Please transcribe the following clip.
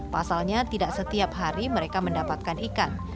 pasalnya tidak setiap hari mereka mendapatkan ikan